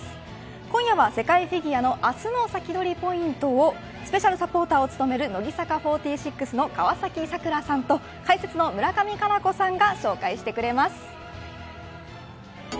今夜は、世界フィギュアの明日のサキドリポイントをスペシャルサポーターを務める乃木坂４６の川崎桜さんと解説の村上佳菜子さんが紹介してくれます。